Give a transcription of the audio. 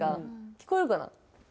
聞こえるかな？